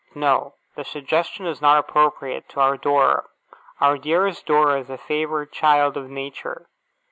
No. The suggestion is not appropriate to our Dora. Our dearest Dora is a favourite child of nature.